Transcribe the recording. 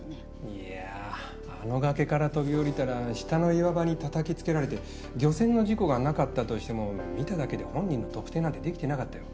いやあの崖から飛び降りたら下の岩場に叩きつけられて漁船の事故がなかったとしても見ただけで本人の特定なんてできてなかったよ。